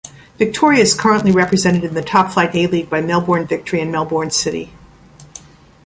Victoria is currently represented in the top-flight A-League by Melbourne Victory and Melbourne City.